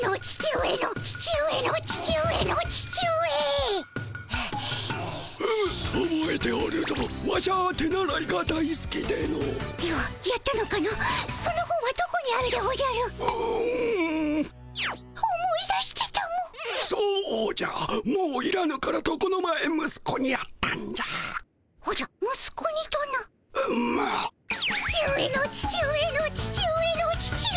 父上の父上の父上の父上。